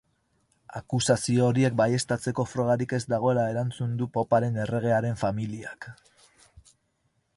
Akusazio horiek baieztatzeko frogarik ez dagoela erantzun du poparen erregearen familiak.